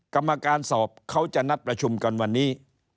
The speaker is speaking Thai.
กรรมการสอบเขาจะนัดประชุมกันวันนี้